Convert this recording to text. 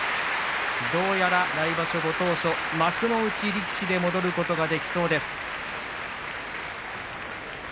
どうやら来場所ご当所幕内力士で戻ることができそうです。